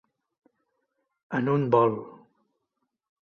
En un vol.